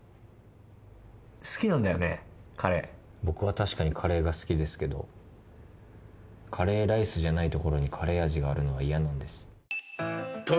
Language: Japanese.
「僕は確かにカレーが好きですけどカレーライスじゃないところにカレー味があるのは嫌なんです」